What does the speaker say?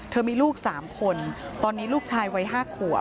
เธอมีลูก๓คนตอนนี้ลูกชายไว้๕ขัว